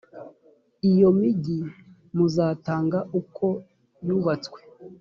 iyo migi muzatanga uko yubatswe